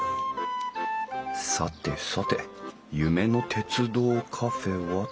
さてさて夢の鉄道カフェはと。